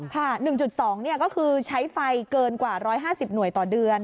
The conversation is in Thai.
๑๒ก็คือใช้ไฟเกินกว่า๑๕๐หน่วยต่อเดือน